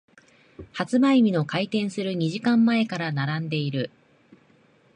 発売日の開店する二時間前から並んでいる。